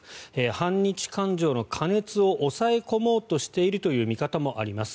反日感情の過熱を抑え込もうとしているという見方もあります。